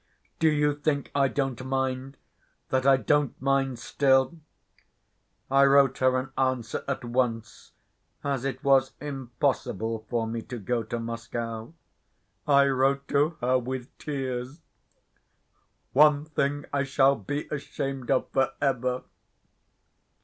Do you think I don't mind—that I don't mind still? I wrote her an answer at once, as it was impossible for me to go to Moscow. I wrote to her with tears. One thing I shall be ashamed of for ever.